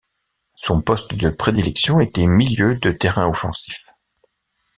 Son poste de prédilection était milieu de terrain offensif.